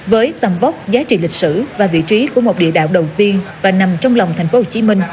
với tầm vóc giá trị lịch sử và vị trí của một địa đạo đầu tiên và nằm trong lòng tp hcm